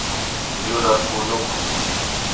Yurak kunuku